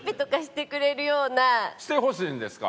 してほしいんですか？